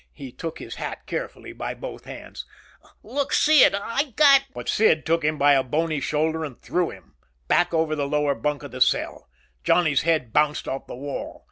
He took his hat carefully by both hands. "Look, Sid, I got " Big Sid took him by a bony shoulder and threw him. Back over the lower bunk of the cell. Johnny's head bounced off the wall.